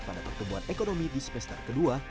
pada pertumbuhan ekonomi di semester kedua